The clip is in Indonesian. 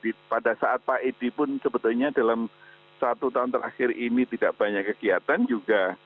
jadi pada saat pak edi pun sebetulnya dalam satu tahun terakhir ini tidak banyak kegiatan juga